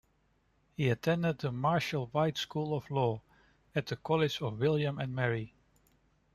He attended the Marshall-Wythe School of Law at the College of William and Mary.